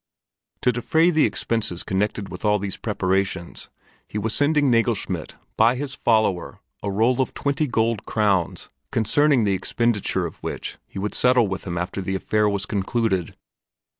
To defray the expenses connected with all these preparations, he was sending Nagelschmidt by his follower a roll of twenty gold crowns concerning the expenditure of which he would settle with him after the affair was concluded.